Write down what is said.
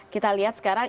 kita lihat sekarang